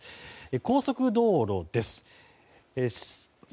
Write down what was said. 高速道路です。